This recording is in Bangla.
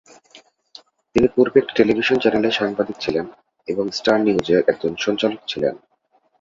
তিনি পূর্বে একটি টেলিভিশন চ্যানেলের সাংবাদিক ছিলেন এবং স্টার নিউজ এর একজন সঞ্চালক ছিলেন।